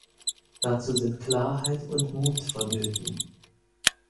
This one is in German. Dazu sind Klarheit und Mut vonnöten.